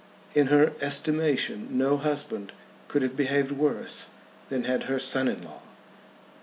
In her estimation no husband could have behaved worse than had her son in law.